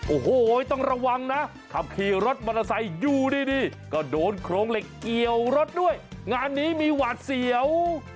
โอ้โหต้องระวังนะขับขี่รถมอเตอร์ไซค์อยู่ดีก็โดนโครงเหล็กเกี่ยวรถด้วยงานนี้มีหวาดเสียว